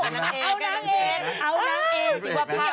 เอ้านางเอกเอ้านางเอก